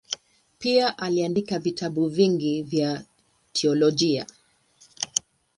Pia aliandika vitabu vingi vya teolojia.